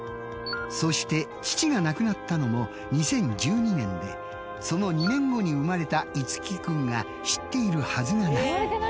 そして父が亡くなったのも２０１２年でその２年後に生まれた樹君が知っているはずがない。